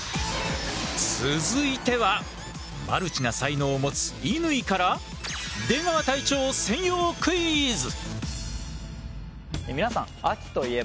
続いてはマルチな才能を持つ乾から出川隊長専用クイズ！